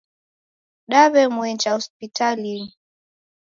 Daw'emwenja Hospitalinyi